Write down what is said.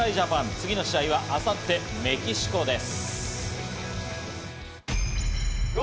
次の試合は明後日、メキシコです。